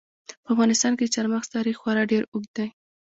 په افغانستان کې د چار مغز تاریخ خورا ډېر اوږد دی.